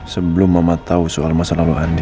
sebelum mama tau soal masalah lo handin